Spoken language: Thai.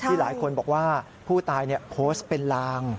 หลายคนบอกว่าผู้ตายโพสต์เป็นลาง